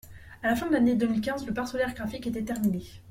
À la fin de l’année deux mille quinze, le parcellaire graphique était terminé.